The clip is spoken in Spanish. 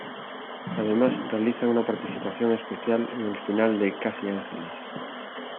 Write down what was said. Además realiza una participación especial en el final de "Casi ángeles".